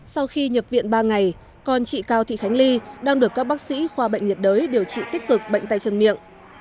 sau khi nhập viện ba ngày con chị cao thị khánh ly đang được các bác sĩ khoa bệnh nhiệt đới điều trị tích cực bệnh tay chân miệng